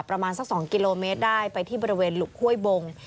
ประมาณสัก๒กิโลเมตรได้ไปที่บริเวณหลุกห้วยบง